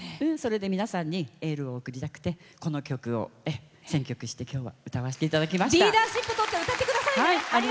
皆さんにエールを送りたくてこの曲を選曲して今日は歌わせていただきました。